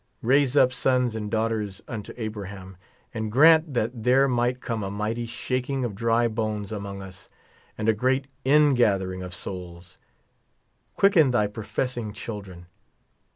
Raise up sons and daughters unto Abraham, and grant that there might come a mighty shaking of dry bones among us, and a great ingathering of souls. Quicken tlly professing children.